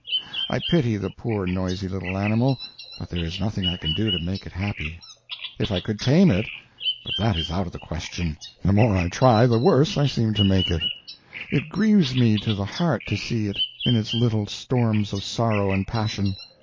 I pity the poor noisy little animal, but there is nothing I can do to make it happy. If I could tame it but that is out of the question; the more I try the worse I seem to make it. It grieves me to the heart to see it in its little storms of sorrow and passion.